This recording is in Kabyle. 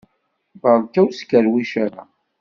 Beṛka ur skerwic ara!